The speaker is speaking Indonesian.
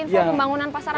info pembangunan pasar atas